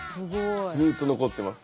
ずっと残ってます。